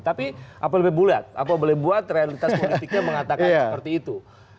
tapi apa lebih bulat apa boleh buat realitas politiknya mengatakan seperti itu